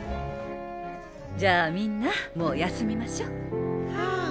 じゃあみんなもうやすみましょ。